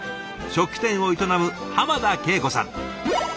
食器店を営む濱田惠子さん。